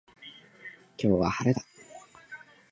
今日は晴れだ